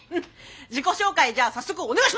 自己紹介じゃあ早速お願いします！